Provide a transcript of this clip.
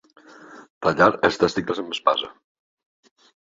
Tallar els testicles amb espasa.